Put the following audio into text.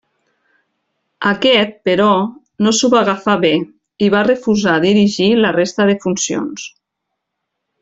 Aquest, però, no s'ho va agafar bé i va refusar dirigir la resta de funcions.